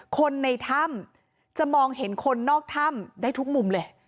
คนในถ้ำจะมองเห็นคนนอกถ้ำได้ทุกมุมเลย